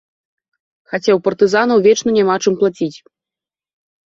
Хаця ў партызанаў вечна няма чым плаціць.